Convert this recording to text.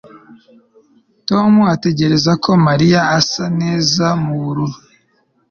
Tom atekereza ko Mariya asa neza mubururu